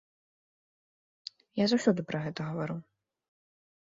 Я заўсёды пра гэта гавару.